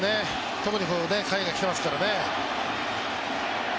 特に海外に来ていますからね。